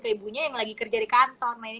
ke ibunya yang lagi kerja di kantor